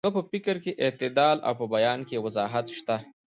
د هغه په فکر کې اعتدال او په بیان کې وضاحت شته.